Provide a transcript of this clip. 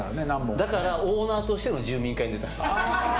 だからオーナーとしての住民会に出たんじゃない？